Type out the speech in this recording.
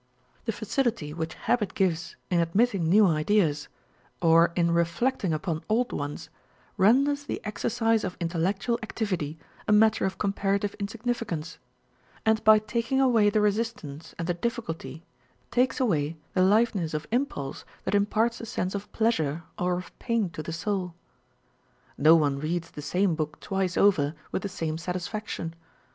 The facility which habit gives in admitting new ideas, or in reflecting upon old ones, renders the exercise of intellectual activity a matter of comparative insignificance ; and by taking away the resist ance and the difficulty, takes away the liveliness of im pulse that imparts a sense of pleasure or of pain to the soul. No one reads the same book twice over with the same satisfaction.